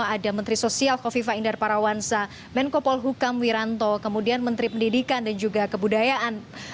ada menteri sosial kofifa indar parawansa menko polhukam wiranto kemudian menteri pendidikan dan juga kebudayaan